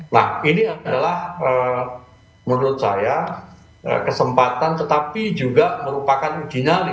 nah ini adalah menurut saya kesempatan tetapi juga merupakan dinali